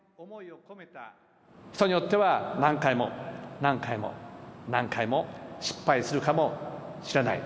人によっては、何回も何回も何回も失敗するかもしれない。